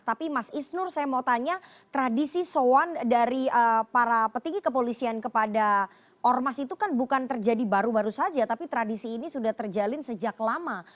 tapi mas isnur saya mau tanya tradisi soan dari para petinggi kepolisian kepada ormas itu kan bukan terjadi baru baru saja tapi tradisi ini sudah terjalin sejak lama